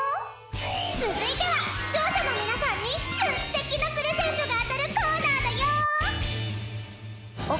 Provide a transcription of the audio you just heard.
続いては視聴者の皆さんに素敵なプレゼントが当たるコーナーだよ！